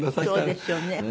そうですよね。